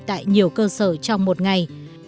tại nhiều cơ sở trong một ngày